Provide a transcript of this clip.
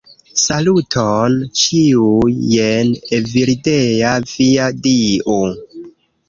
Saluton, ĉiuj! Jen Evildea, via dio.